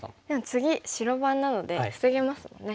次白番なので防げますもんね。